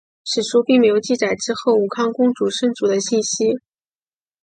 史书没有记载之后武康公主生卒的信息。